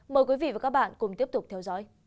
mời quý vị và các bạn cùng tiếp tục theo dõi